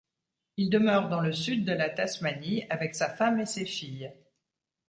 Il demeure dans le sud de la Tasmanie avec sa femme et ses filles.